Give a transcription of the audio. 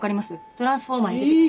『トランスフォーマー』に出てくる。